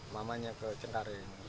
mamanya ke cengkareng